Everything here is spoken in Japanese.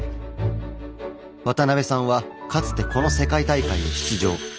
渡邉さんはかつてこの世界大会に出場。